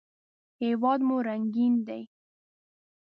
هېواد مو رنګین دی